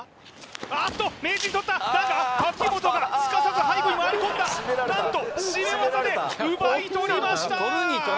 あっと名人取っただが瀧本がすかさず背後に回り込んだ何と絞め技で奪い取りました！